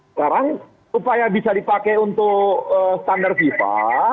sekarang upaya bisa dipakai untuk standar fifa